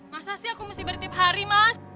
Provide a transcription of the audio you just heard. masa sih aku mesti bertip hari mas